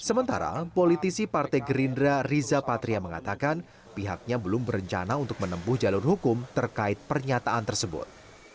sementara politisi partai gerindra riza patria mengatakan pihaknya belum berencana untuk menempuh jalur hukum terkait pernyataan tersebut